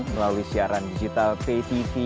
melalui siaran digital patv